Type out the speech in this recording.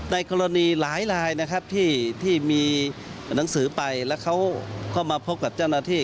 ในกรณีหลายลายนะครับที่มีหนังสือไปแล้วเขาก็มาพบกับเจ้าหน้าที่